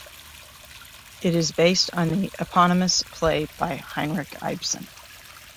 It is based on the eponymous play by Henrik Ibsen.